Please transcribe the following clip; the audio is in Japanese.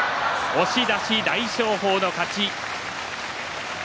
押し出し、大翔鵬の勝ち。